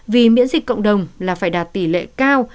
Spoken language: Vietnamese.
vì miễn dịch cộng đồng là phải đạt tỷ lệ cao